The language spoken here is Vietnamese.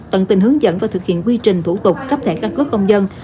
tận tình hướng dẫn và thực hiện quy trình thủ tục cấp thẻ căn cước công dân